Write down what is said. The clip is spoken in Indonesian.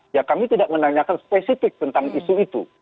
ya kami tidak menanyakan spesifik tentang isu itu